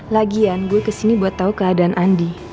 lagian gue kesini buat tahu keadaan andi